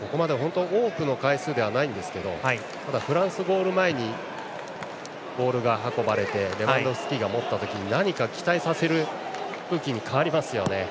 ここまで本当に多くの回数じゃないんですがフランスゴール前にボールが運ばれてレバンドフスキが持った時何か期待させる空気に変わりますよね。